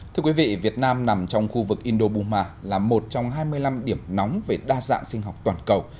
thưa quý vị việt nam nằm trong khu vực indo buma là một trong hai mươi năm điểm nóng về đa dạng sinh học toàn cầu